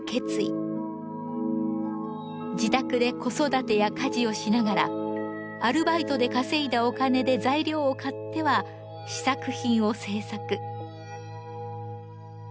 自宅で子育てや家事をしながらアルバイトで稼いだお金で材料を買っては試作品を制作。